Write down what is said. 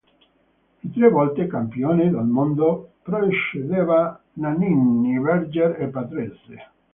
Il tre volte Campione del Mondo precedeva Nannini, Berger e Patrese.